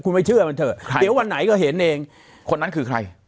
คุณไม่เชื่อมันเถอะเดี๋ยววันไหนก็เห็นเองคนนั้นคือใคร